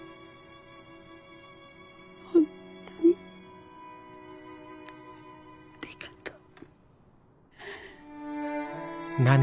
本当にありがとう。